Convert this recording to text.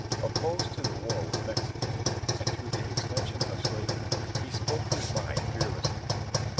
Opposed to the war with Mexico, and to the extension of slavery, he spoke his mind fearlessly.